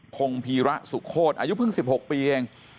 พงพีระสุโคตรอายุเพิ่ง๑๖ปีเอง